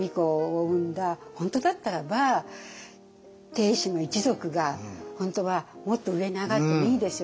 本当だったらば定子の一族が本当はもっと上に上がってもいいですよね。